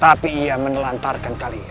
tapi ia menelantarkan kalian